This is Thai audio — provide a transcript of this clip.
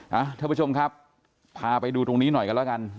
ท่านผู้ชมครับพาไปดูตรงนี้หน่อยกันแล้วกัน